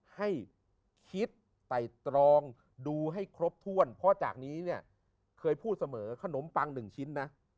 ให้คิดไต่ตรองดูให้ครบถ้วนเพราะจากนี้เนี่ยเคยพูดเสมอขนมปังหนึ่งชิ้นนะ